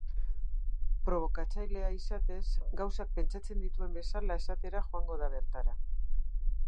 Probokatzailea izatez, gauzak pentsatzen dituen bezala esatera joango da bertara.